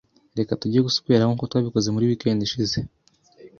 Reka tujye guswera nkuko twabikoze muri weekend ishize.